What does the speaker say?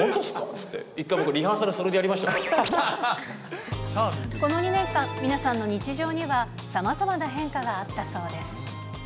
本当ですかっていって、１回、僕、リハーサルそれこの２年間、皆さんの日常にはさまざまな変化があったそうです。